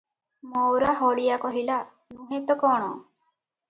"ମଓରା ହଳିଆ କହିଲା, ନୁହେଁ ତ କଣ?